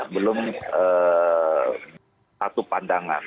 belum satu pandangan